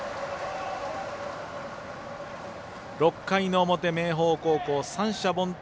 ６回の表、明豊高校、三者凡退。